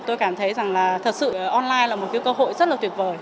tôi cảm thấy rằng là thật sự online là một cái cơ hội rất là tuyệt vời